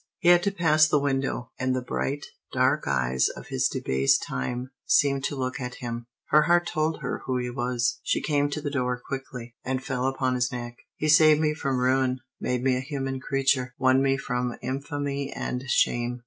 He had to pass the window; and the bright, dark eyes of his debased time seemed to look at him. Her heart told her who he was; she came to the door quickly, and fell upon his neck. "He saved me from ruin, made me a human creature, won me from infamy and shame.